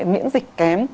miễn dịch kém